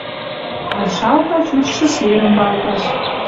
Палшалта чуч шӹшерӹм валташ.